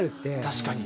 確かに。